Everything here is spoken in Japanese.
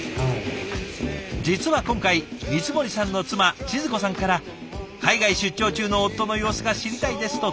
実は今回光森さんの妻智津子さんから「海外出張中の夫の様子が知りたいです」と投稿を頂いたんです。